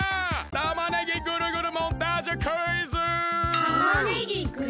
たまねぎぐるぐるモンタージュクイズ！